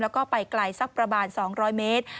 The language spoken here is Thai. แล้วก็ไปไกลสักประมาณ๒๐๐เมตร